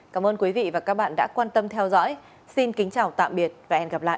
cảm ơn quý vị và các bạn đã quan tâm theo dõi xin kính chào tạm biệt và hẹn gặp lại